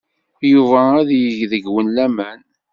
Yuba ad yeg deg-wen laman.